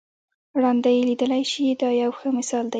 ړانده یې لیدلای شي دا یو ښه مثال دی.